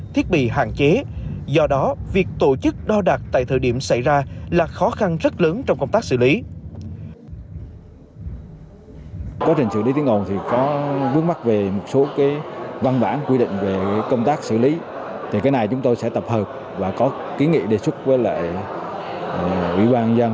thiết bị hạn chế do đó việc tổ chức đo đạt tại thời điểm xảy ra là khó khăn rất lớn trong công tác xử lý